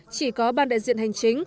chỉ có ban đại diện hành chính